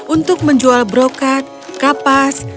untuk menjual brokat kapas